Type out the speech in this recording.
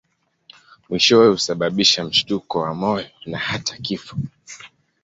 Mwishowe husababisha mshtuko wa moyo na hata kifo.